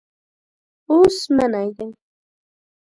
اوس منی دی.